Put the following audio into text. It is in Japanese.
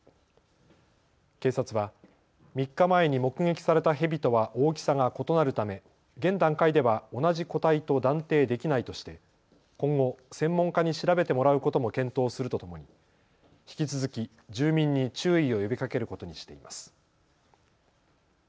警察は３日前に目撃されたヘビとは大きさが異なるため現段階では同じ個体と断定できないとして今後、専門家に調べてもらうことも検討するとともに引き続き住民に注意を呼びかけることにしています。